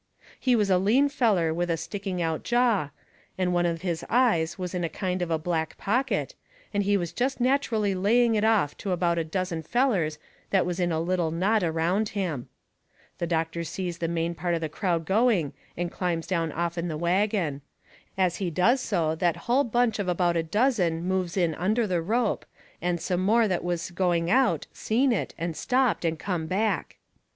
He was a lean feller with a sticking out jaw, and one of his eyes was in a kind of a black pocket, and he was jest natcherally laying it off to about a dozen fellers that was in a little knot around him. The doctor sees the main part of the crowd going and climbs down off'n the wagon. As he does so that hull bunch of about a dozen moves in under the rope, and some more that was going out seen it, and stopped and come back.